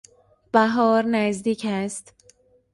بهار نزدیک است.